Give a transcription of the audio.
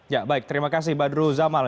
ya baik terima kasih badru zamal